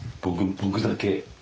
僕だけ。